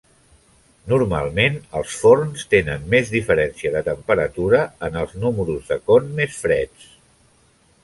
Normalment, els forns tenen més diferència de temperatura en els números de con més freds.